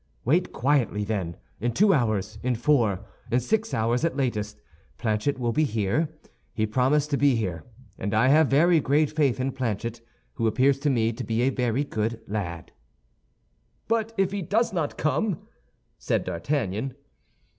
Wait quietly, then; in two hours, in four, in six hours at latest, Planchet will be here. He promised to be here, and I have very great faith in Planchet, who appears to me to be a very good lad." "But if he does not come?" said D'Artagnan.